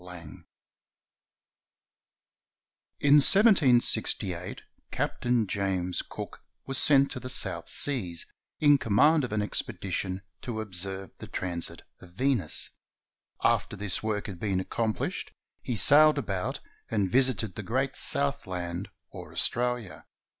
LANG [In 1768, Captain James Cook was sent to the South Seas in command of an expedition to observe the transit of Venus. After this work had been accomplished, he sailed about and visited the "Great South Land," or Australia.